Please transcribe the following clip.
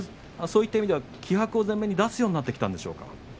そういう意味では気迫を前面に出すようになってきたんでしょうか。